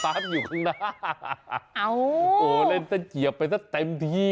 อ้าวผมโหเล่นไปเฉียบไปทักเต็มที่เลย